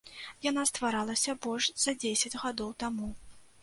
Яна стваралася больш за дзесяць гадоў таму.